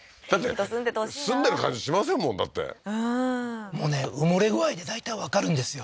人住んでてほしいな住んでる感じしませんもんだってうんもうね埋もれ具合で大体わかるんですよ